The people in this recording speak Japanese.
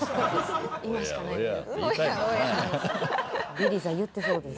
リリーさん言ってそうです。